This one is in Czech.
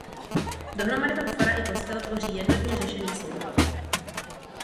Dohromady pak fara i kostel tvoří jednotně řešený soubor.